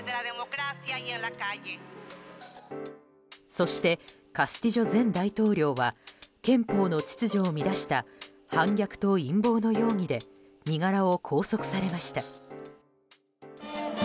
そしてカスティジョ前大統領は憲法の秩序を乱した反逆と陰謀の容疑で身柄を拘束されました。